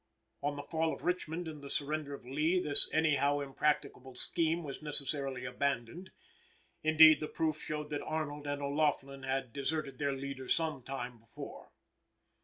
On the fall of Richmond, and the surrender of Lee, this any how impracticable scheme was necessarily abandoned. Indeed, the proof showed that Arnold and O'Laughlin had deserted their leader some time before.